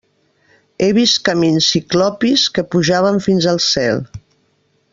He vist camins ciclopis que pujaven fins al cel.